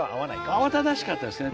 慌ただしかったですね